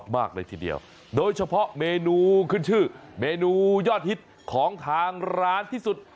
มากเลยทีเดียวโดยเฉพาะเมนูขึ้นชื่อเมนูยอดฮิตของทางร้านที่สุด